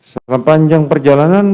selama panjang perjalanan